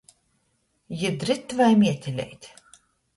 Jidrytvai mieteleit!